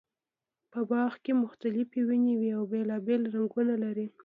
په باغ کې مختلفې ونې وي او بېلابېل رنګونه لري.